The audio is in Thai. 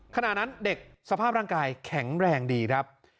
ขณะนั้นเด็กสภาพร่างกายแข็งแรงดีครับ